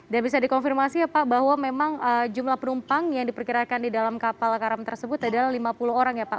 dan bisa dikonfirmasi ya pak bahwa memang jumlah penumpang yang diperkirakan di dalam kapal karam tersebut adalah lima puluh orang ya pak